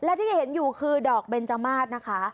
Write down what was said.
และที่เห็นอยู่คือดอกเบนจมาสนะคะ